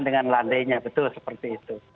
dengan landainya betul seperti itu